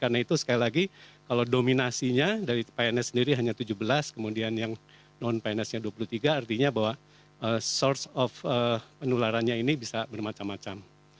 karena itu sekali lagi kalau dominasinya dari pns sendiri hanya tujuh belas kemudian yang non pns nya dua puluh tiga artinya bahwa source of penularannya ini bisa bermacam macam